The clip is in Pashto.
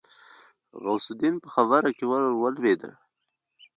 غوث الدين په خبره کې ورولوېد.